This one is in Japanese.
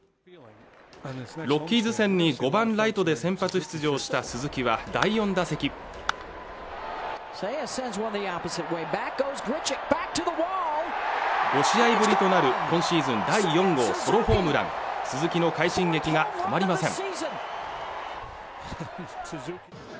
ロッキーズ戦に５番ライトで先発出場した鈴木は第４打席５試合ぶりとなる今シーズン第４号ソロホームラン鈴木の快進撃が止まりません